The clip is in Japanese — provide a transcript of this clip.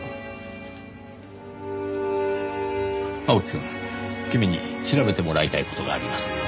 青木くん君に調べてもらいたい事があります。